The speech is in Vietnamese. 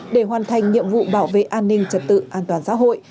để hoàn thành nhiệm vụ bảo vệ an ninh trật tự an toàn xã hội